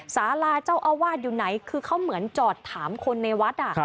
สาราเจ้าอาวาสอยู่ไหนคือเขาเหมือนจอดถามคนในวัด